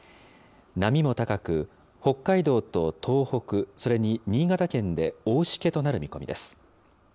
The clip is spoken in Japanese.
波も高く、北海道と東北、それに新潟県で大しけとなる見込みです。